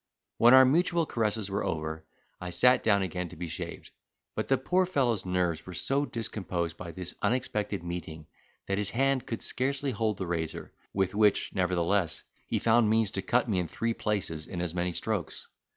When our mutual caresses were over I sat down again to be shaved, but the poor fellow's nerves were so discomposed by this unexpected meeting that his hand could scarcely hold the razor, with which, nevertheless, he found means to cut me in three places in as many strokes.